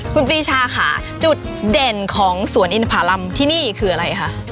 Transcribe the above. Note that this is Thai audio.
คุณปรีชาค่ะจุดเด่นของสวนอินทภารำที่นี่คืออะไรคะ